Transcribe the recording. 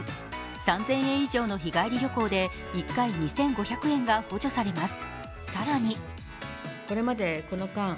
３０００円以上の日帰り旅行で１回２５００円が補助されます。